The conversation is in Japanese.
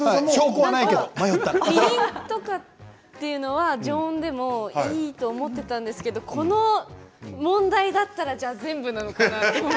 みりんとかというのは常温でもいいと思っていたんですけどこの問題だったらじゃあ全部なのかな？と。